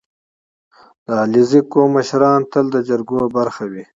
• د علیزي قوم مشران تل د جرګو برخه وي.